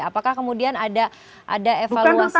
apakah kemudian ada evaluasi